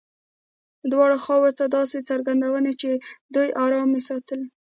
دواړو خواوو ته داسې څرګندوي چې دوی ارامي ساتلې.